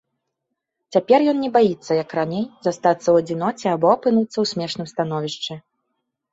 Цяпер ён не баіцца, як раней, застацца ў адзіноце або апынуцца ў смешным становішчы.